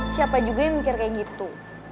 siapa juga yang mikir kayak gitu